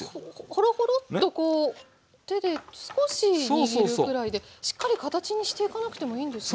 ホロホロッとこう手で少し握るくらいでしっかり形にしていかなくてもいいんですね。